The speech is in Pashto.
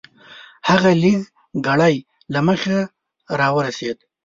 هغه لږ ګړی له مخه راورسېد .